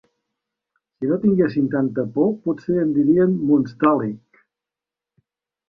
Si no tinguessin tanta por potser en dirien Monstràl·lic.